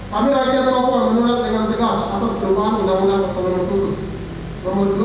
kami rakyat papua menolak dengan tegas atas perubahan undang undang pemerintah khusus nomor dua tahun dua ribu dua puluh satu